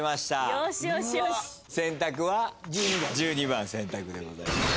１２番選択でございます。